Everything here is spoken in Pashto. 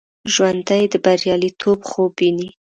ژوندي د بریالیتوب خوب ویني